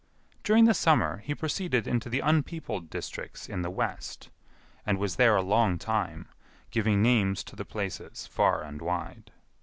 During the summer he proceeded into the unpeopled districts in the west, and was there a long time, giving names to the places far and wide.